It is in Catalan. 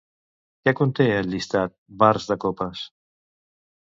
Què conté el llistat "bars de copes"?